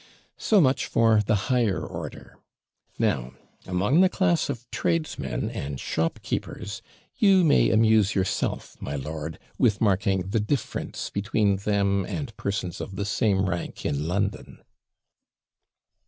So much for the higher order. Now, among the class of tradesmen and shopkeepers, you may amuse yourself, my lord, with marking the difference between them and persons of the same rank in London.'